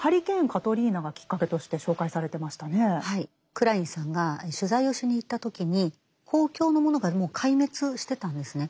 クラインさんが取材をしに行った時に公共のものがもう壊滅してたんですね。